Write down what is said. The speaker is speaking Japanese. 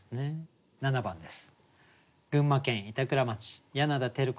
７番です。